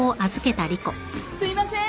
・すいません。